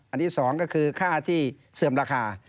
ที่๒ก็คือค่าที่เสื่อมราคา